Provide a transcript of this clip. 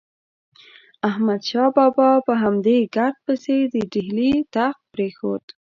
احمد شاه بابا په همدې ګرد پسې د ډیلي تخت پرېښود.